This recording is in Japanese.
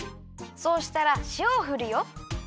そうしたらしおをふるよ。